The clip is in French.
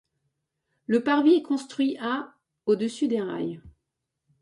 Le parvis est construit à au-dessus des rails.